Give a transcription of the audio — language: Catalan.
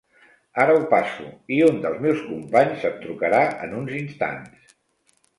Ara ho passo i un dels meus companys et trucarà en uns instants.